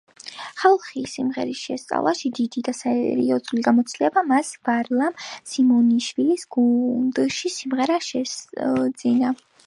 ხალხური სიმღერის შესწავლაში დიდი და სერიოზული გამოცდილება მას ვარლამ სიმონიშვილის გუნდში სიმღერამ შესძინა.